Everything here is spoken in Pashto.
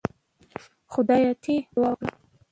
خدای ته يې دعا وکړه.